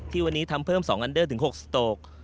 วันนี้ทำเพิ่ม๒อันเดอร์ถึง๖สโตก